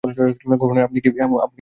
Governor আপনি কি ইস্তফা দেবেন?